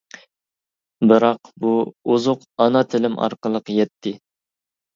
بىراق، بۇ ئوزۇق ئانا تىلىم ئارقىلىق يەتتى.